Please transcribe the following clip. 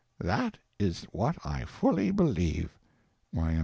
That is what I fully believe.